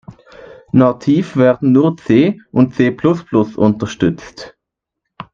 Nativ werden nur C und C-plus-plus unterstützt.